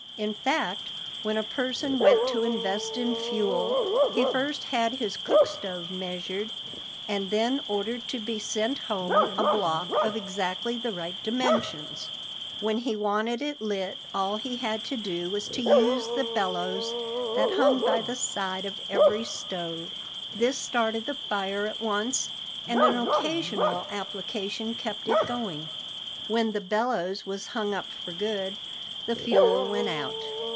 In fact, when a person went to invest in fuel, he first had his cook stove measured and then ordered to be sent home a block of exactly the right dimensions. When he wanted it lit all he had to do was to use the bellows that hung by the side of every stove. This started the fire at once, and an occasional application kept it going. When the bellows was hung up for good, the fuel went out.